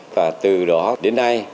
và từ đó đến nay